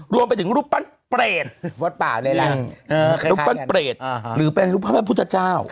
รวมไปถึงรูปปั้นเปรตรูปปั้นเปรตหรือเป็นรูปภาพพุทธเจ้า